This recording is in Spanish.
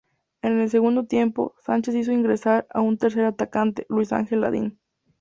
En el segundo tiempo, Sánchez hizo ingresar a un tercer atacante, Luis Ángel Landín.